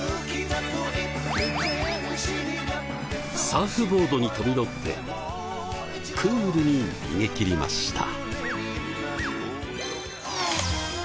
サーフボードに飛び乗ってクールに逃げ切りました。